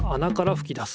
ふき出す。